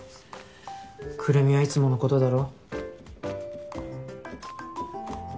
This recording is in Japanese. くるみはいつものことだろ。